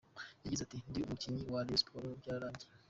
Yagize ati “Ndi umukinnyi wa Rayon Sports, byararangiye.